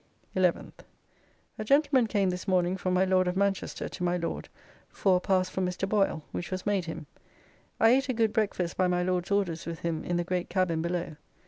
11th. A Gentleman came this morning from my Lord of Manchester to my Lord for a pass for Mr. Boyle,' which was made him. I ate a good breakfast by my Lord's orders with him in the great cabin below.